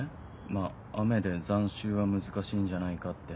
まあ雨で残臭は難しいんじゃないかって。